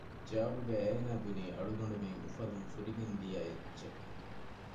ޖަވާބުގައި އޭނާބުނީ އަޅުގަނޑުމެން އުފަލުން ފުރިގެން ދިޔައެއްޗެއް